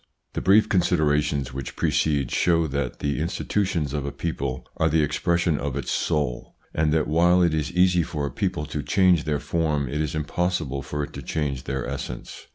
T HE brief considerations which precede show that the institutions of a people are the expres sion of its soul, and that while it is easy for a people to change their form it is impossible for it to change their essence.